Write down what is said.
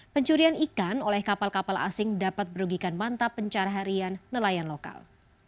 pencurian ikan oleh kapal kapal asing dapat berugikan mantap pencarah harian nelayan lokal